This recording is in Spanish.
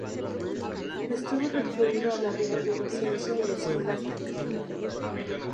Estuvo recluido a la vida de docencia y escolástica.